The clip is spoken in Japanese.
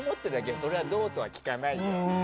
それがどうとは聞かないけど。